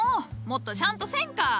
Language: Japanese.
もっとしゃんとせんか！